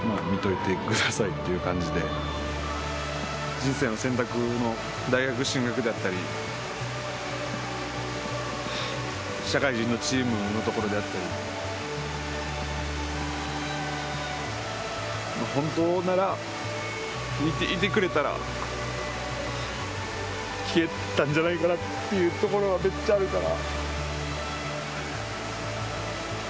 人生の選択の大学進学であったり、社会人のチームのところであったり、本当なら生きていてくれたら、聞けたんじゃないかなというところがめっちゃあるから。